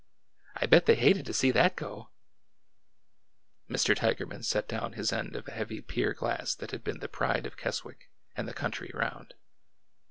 " I bet they hated to see that go !" Mr. Tigerman set down his end of a heavy pier glass that had been the pride of Keswick and the country round.